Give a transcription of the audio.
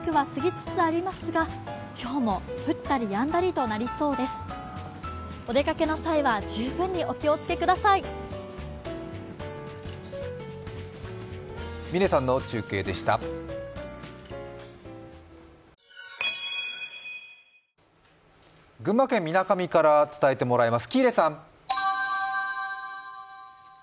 みなかみから伝えてもらいます。